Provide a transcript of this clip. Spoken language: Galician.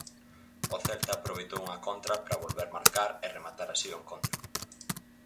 O Celta aproveitou unha contra para volver marcar e rematar así o encontro.